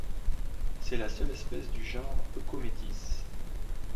C'est la seule espèce du genre Eucometis.